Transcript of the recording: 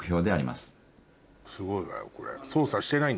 すごいわよこれ。